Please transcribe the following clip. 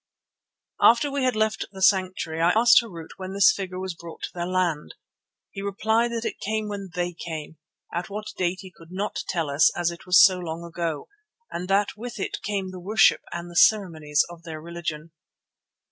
After we had left the sanctuary I asked Harût when this figure was brought to their land. He replied that it came when they came, at what date he could not tell us as it was so long ago, and that with it came the worship and the ceremonies of their religion.